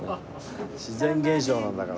自然現象なんだから。